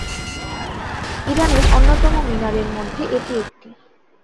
ইরানের অন্যতম মিনারের মধ্যে এটি একটি।